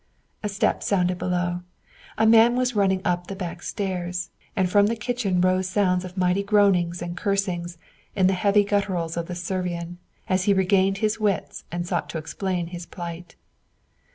Steps sounded below; a man was running up the back stairs; and from the kitchen rose sounds of mighty groanings and cursings in the heavy gutturals of the Servian, as he regained his wits and sought to explain his plight.